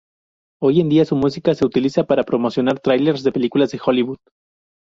Hoy en día su música se utiliza para promocionar trailers de películas de Hollywood.